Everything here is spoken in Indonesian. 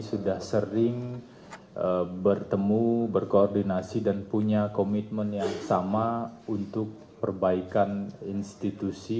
sudah sering bertemu berkoordinasi dan punya komitmen yang sama untuk perbaikan institusi